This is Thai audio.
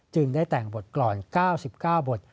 จึงได้แต่งบทกรรม๙๙บท